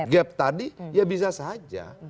gap tadi ya bisa saja